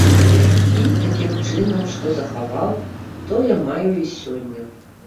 І, такім чынам, што захаваў, тое маю і сёння.